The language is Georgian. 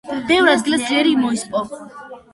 ბევრ ადგილას ძლიერ მოისპო.